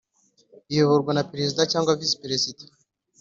Iyoborwa na Perezida cyangwa Visi Perezida .